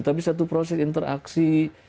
tapi satu proses interaksi